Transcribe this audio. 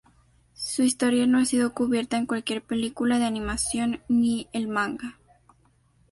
Su historia no ha sido cubierta en cualquier película de animación, ni el manga.